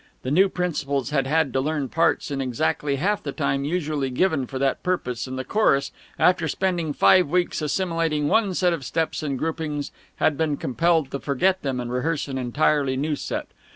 The new principals had had to learn parts in exactly half the time usually given for that purpose, and the chorus, after spending five weeks assimilating one set of steps and groupings, had been compelled to forget them and rehearse an entirely new set.